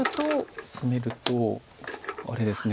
ツメるとあれですね。